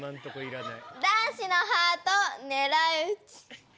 男子のハートを狙い撃つ。